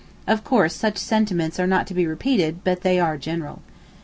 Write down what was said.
Of course such sentiments are not to be repeated—but they are general.